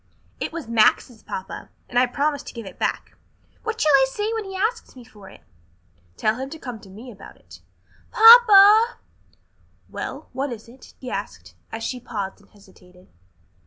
"It was Max's, papa, and I promised to give it back. What shall I say when he asks me for it?" "Tell him to come to me about it." "Papa " "Well, what is it?" he asked, as she paused and hesitated.